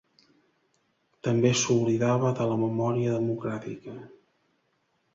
També s’oblidava de la memòria democràtica.